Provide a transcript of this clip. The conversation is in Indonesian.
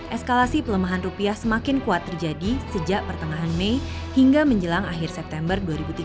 eskalasi pelemahan rupiah semakin kuat terjadi sejak pertengahan mei hingga menjelang akhir september dua ribu tujuh belas